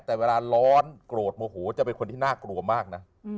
แต่เวลาร้อนโกรธโมโหจะเป็นคนที่น่ากลัวมากนะ